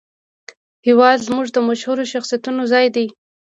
هېواد زموږ د مشهورو شخصیتونو ځای دی